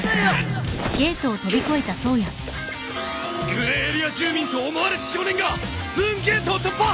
グレーエリア住民と思われし少年がムーンゲートを突破！